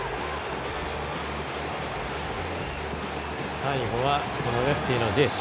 最後はレフティのジエシュ。